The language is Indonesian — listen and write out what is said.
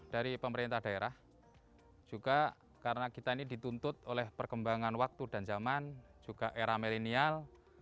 dari pemerintah daerah juga karena kita ini dituntut oleh perkembangan waktu dan zaman juga era milenial